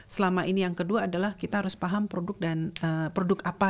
selama ini yang kedua adalah kita harus paham produk dan produk apa